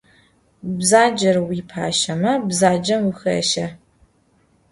Bzacer vuipaşeme, bzacem vuxêşe.